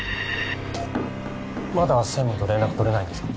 まだ専務と連絡取れないんですか？